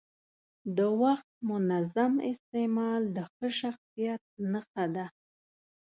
د وخت منظم استعمال د ښه شخصیت نښه ده.